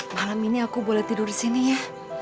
malam ini aku boleh tidur di sini ya